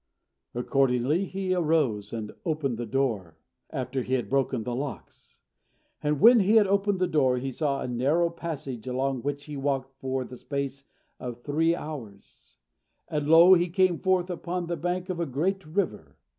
Accordingly he arose and opened the door, after he had broken the locks. And when he had opened the door he saw a narrow passage, along which he walked for the space of three hours; and lo! he came forth upon the bank of a great river.